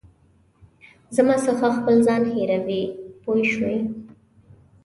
زما څخه خپل ځان هېروې پوه شوې!.